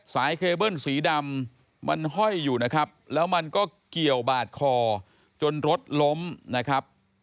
เคเบิ้ลสีดำมันห้อยอยู่นะครับแล้วมันก็เกี่ยวบาดคอจนรถล้มนะครับ